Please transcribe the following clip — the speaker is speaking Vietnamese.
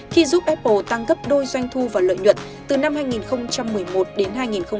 khi giúp apple tăng cấp đôi doanh thu và lợi nhuận từ năm hai nghìn một mươi một đến hai nghìn hai mươi